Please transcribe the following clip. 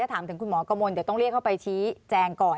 ถามถึงคุณหมอกระมวลเดี๋ยวต้องเรียกเข้าไปชี้แจงก่อน